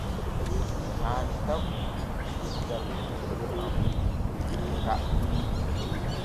E haani taw mi yetta beldiijo am Geeka.